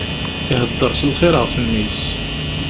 Ihedder s lxir ɣef mmi-s.